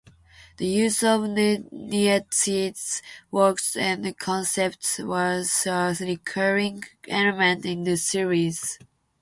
The use of Nietzsche's works and concepts was a recurring element in the series.